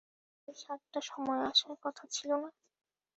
আপনাদের সাতটার সময় আসার কথা ছিল না?